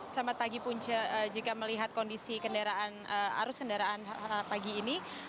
selamat pagi punca jika melihat kondisi arus kendaraan pagi ini